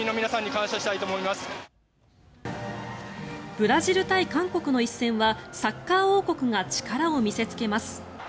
ブラジル対韓国の一戦はサッカー王国が力を見せつけます。